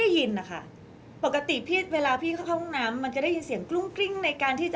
ต้องการเป็นในการเอาผิดเขาครั้งนี้เข้าห้องน้ำไป